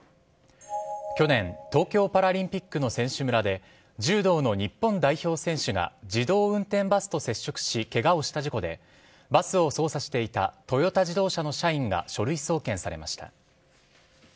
去年、東京パラリンピックの選手村で柔道の日本代表選手が自動運転バスと接触しケガをした事故でバスを操作していたトヨタ自動車の社員が書類送検されました。